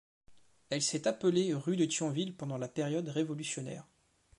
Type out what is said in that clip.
Elle s'est appelée rue de Thionville pendant la période révolutionnaire.